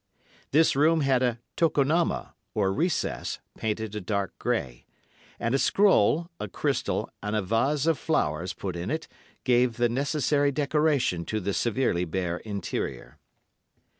This room had a tokonoma, or recess, painted a dark grey; and a scroll, a crystal and a vase of flowers put in it gave the necessary decoration to the severely bare interior.